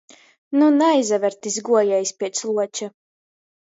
Nu naizaver tys guojiejs piec luoča...